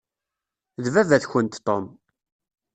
D baba-tkent Tom.